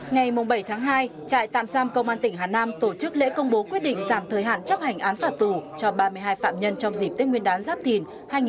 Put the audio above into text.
ngày bảy tháng hai trại tạm giam công an tỉnh hà nam tổ chức lễ công bố quyết định giảm thời hạn chấp hành án phạt tù cho ba mươi hai phạm nhân trong dịp tết nguyên đán giáp thìn hai nghìn hai mươi bốn